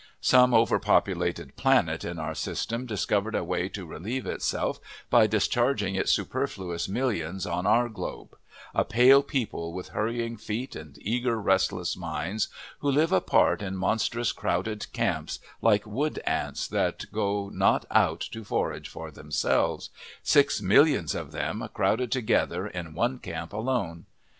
Some over populated planet in our system discovered a way to relieve itself by discharging its superfluous millions on our globe a pale people with hurrying feet and eager, restless minds, who live apart in monstrous, crowded camps, like wood ants that go not out to forage for themselves six millions of them crowded together in one camp alone!